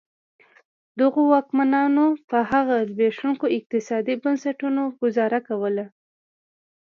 دغو واکمنانو په هغه زبېښونکو اقتصادي بنسټونو ګوزاره کوله.